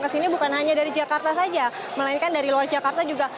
kesini bukan hanya dari jakarta saja melainkan dari luar jakarta juga